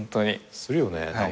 するよね。